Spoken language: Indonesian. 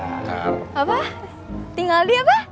apa tinggal di apa